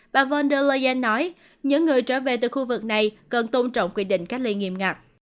bà von der leyen nói những người trở về từ khu vực này cần tôn trọng quy định cách ly nghiêm ngặt